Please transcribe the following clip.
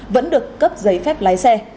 vẫn được cấp giấy phép lái xe